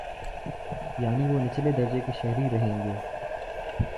یعنی وہ نچلے درجے کے شہری رہیں گے۔